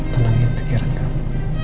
tenangin pikiran kamu